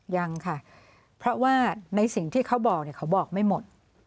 ยังค่ะเพราะว่าในสิ่งที่เขาบอกเขาบอกไม่หมด